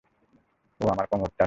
ওহ, আমার কোমরটা।